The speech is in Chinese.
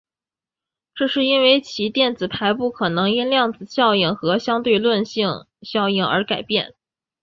这是因为其电子排布可能因量子效应和相对论性效应而改变。